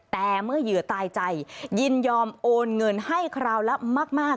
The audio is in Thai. แต่เมื่อเหยื่อตายใจยินยอมโอนเงินให้คราวละมาก